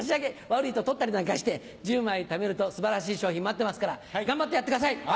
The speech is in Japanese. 悪いと取ったりなんかして１０枚ためると素晴らしい賞品待ってますから頑張ってやってください。